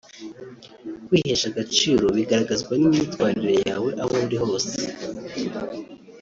kwihesha agaciro bigaragazwa n’imyitwarire yawe aho uri hose